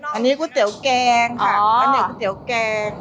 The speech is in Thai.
อันนี้ก๋วยเตี๋ยวแกงค่ะอันนี้ก๋วยเตี๋ยวแกง